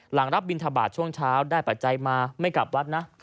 รับบินทบาทช่วงเช้าได้ปัจจัยมาไม่กลับวัดนะ